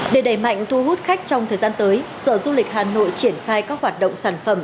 để đẩy mạnh thu hút khách trong thời gian tới sở du lịch hà nội triển khai các hoạt động sản phẩm